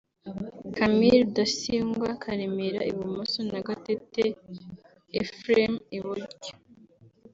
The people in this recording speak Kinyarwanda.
Camile Rudasingwa Karemera (Ibumoso) na Gatete Ephraim (Iburyo)